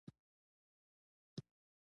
او د رغونې په لور به ګام پورته کړي